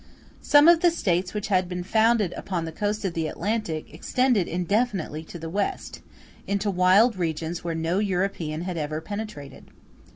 ] Some of the States which had been founded upon the coast of the Atlantic, extended indefinitely to the West, into wild regions where no European had ever penetrated.